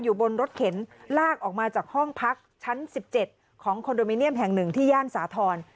บนรถเข็นลากออกมาจากห้องพักชั้น๑๗ของคอนโดมิเนียมแห่ง๑ที่ย่านสาธรณ์